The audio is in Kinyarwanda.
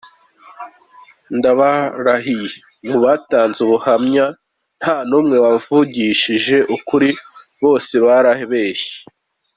Ndabarahiye mubatanze ubuhamya nta n’umwe wavugishije ukuri bose barabeshye.